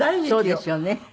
そうですよね。